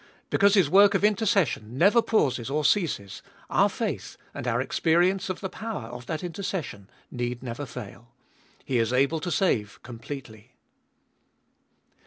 Because His work of intercession never pauses or ceases, our faith and our experience of the power of that intercession need never fail. He is able to save completely